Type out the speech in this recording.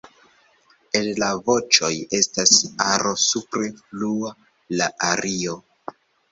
El la voĉoj estas aro supre flua la ario.